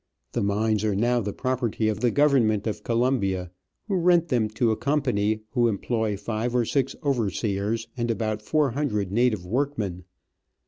The mines are now the property of the Government of Colombia, who rent them to a com pany who employ five or six overseers and about four hundred native workmen.